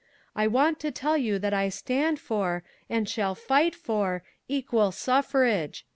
"I want to tell you that I stand for, and shall fight for, equal suffrage!